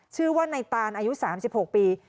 ชื่อว่าในตานอายุ๓๖ปี